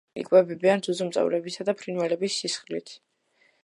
იკვებებიან ძუძუმწოვრებისა და ფრინველების სისხლით.